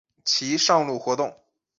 其上路活动。